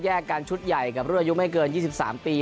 แยกกันชุดใหญ่กับรออยู่ไม่เกิน๒๓ปี